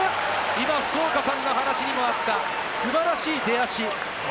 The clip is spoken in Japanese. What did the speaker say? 今、福岡さんの話にもあった、素晴らしい出足。